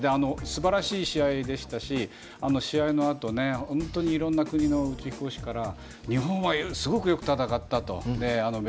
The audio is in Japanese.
すばらしい試合でしたし試合のあと、本当にいろんな国の飛行士から日本は、すごくよく戦ったと。